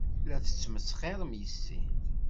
La tesmesxirem yes-i.